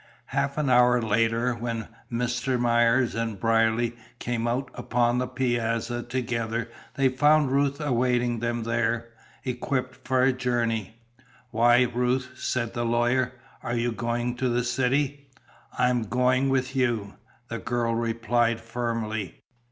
Half an hour later when Mr. Myers and Brierly came out upon the piazza together they found Ruth awaiting them there, equipped for a journey. "Why, Ruth," said the lawyer, "are you going to the city?" "I am going with you!" the girl replied firmly.